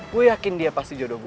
gue yakin dia pasti jodoh gue